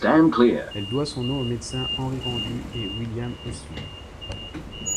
Elle doit son nom aux médecins Henri Rendu et William Osler.